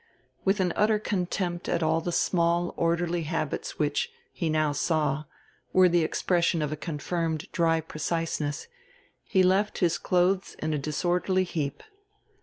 With an utter contempt at all the small orderly habits which, he now saw, were the expression of a confirmed dry preciseness, he left his clothes in a disorderly heap.